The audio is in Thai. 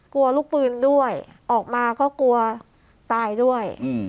กลัวลูกปืนด้วยออกมาก็กลัวตายด้วย